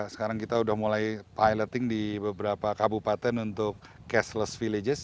sekarang kita sudah mulai piloting di beberapa kabupaten untuk cashless villages